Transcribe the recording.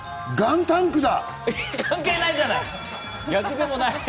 関係ないじゃない！